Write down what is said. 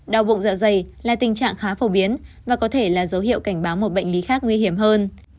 đau bụng dạ dày là tình trạng khá phổ biến và có thể là dấu hiệu cảnh báo một bệnh lý khác nguy hiểm hơn